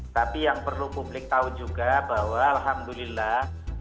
tapi yang perlu publik tahu juga bahwa alhamdulillah